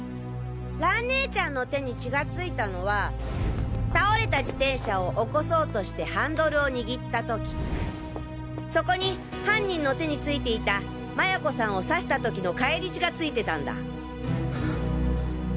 蘭ねえちゃんの手に血がついたのは倒れた自転車を起こそうとしてハンドルを握ったときそこに犯人の手についていた麻也子さんを刺した時の返り血がついてたんだ。